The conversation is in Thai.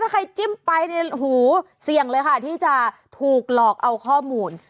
ถ้าใครจิ้มไปเนี่ยหูเสี่ยงเลยค่ะที่จะถูกหลอกเอาข้อมูล